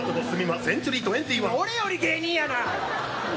俺より芸人やな！